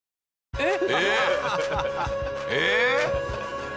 えっ！